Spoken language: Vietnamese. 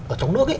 ở trong nước